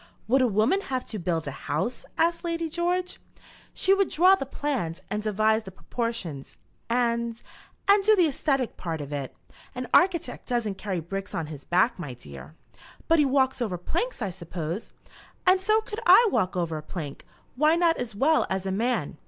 "Would a woman have to build a house?" asked Lady George. "She would draw the plans, and devise the proportions, and and do the æsthetic part of it. An architect doesn't carry bricks on his back, my dear." "But he walks over planks, I suppose." "And so could I walk over a plank; why not as well as a man?